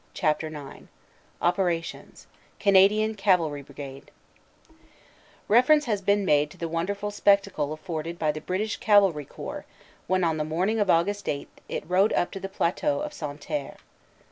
CHAPTER IX OPERATIONS : CANADIAN CAVALRY BRIGADE REFERENCE has been made to the wonderful spectacle afforded by the British Cavalry Corps when on the morn ing of Aug. 8 it rode up on to the plateau of Santerre.